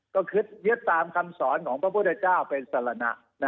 ก็คือเย็ดตามคำสอนของพระพุทธเจ้าเป็นสรณะนะฮะ